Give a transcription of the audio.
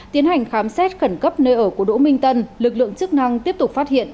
tiến hành khám xét khẩn cấp nơi ở của đỗ minh tân lực lượng chức năng tiếp tục phát hiện